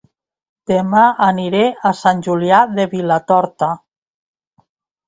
Dema aniré a Sant Julià de Vilatorta